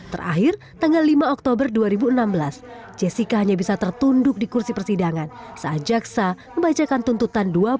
terakhir tanggal lima oktober dua ribu enam belas jessica hanya bisa tertunduk di kursi persidangan saat jaksa membacakan tuntutan